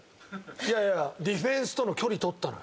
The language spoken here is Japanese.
いやいや、ディフェンスとの距離取ったのよ。